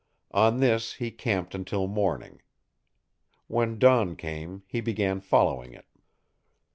On this he camped until morning. When dawn came he began following it.